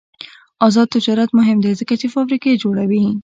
آزاد تجارت مهم دی ځکه چې فابریکې جوړوي.